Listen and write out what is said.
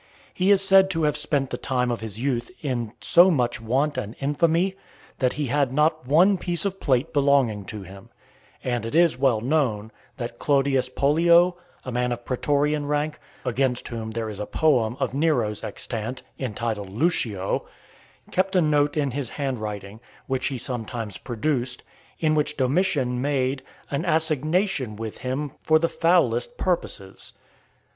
He is said to have spent the time of his youth in so much want and infamy, that he had not one piece of plate belonging to him; and it is well known, that Clodius Pollio, a man of pretorian rank, against whom there is a poem of Nero's extant, entitled Luscio, kept a note in his hand writing, which he sometimes produced, in which Domitian made an assignation with him for the foulest purposes.